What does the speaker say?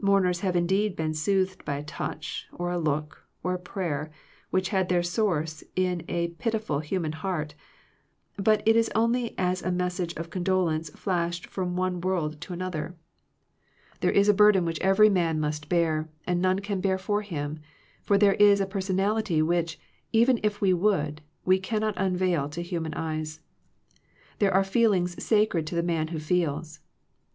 Mourners have indeed been soothed by a touch, or a look, or a prayer, which had their source in a pitiful human heart, but it is only as a message of con dolence flashed from one world to another, 206 Digitized by VjOOQIC THE LIMITS OF FRIENDSHIP There is a burden which every man must bear, and none can bear for him ; for there is a personality which, even if we would, we cannot unveil to human eyes. There are feelings sacred to the man wno feels.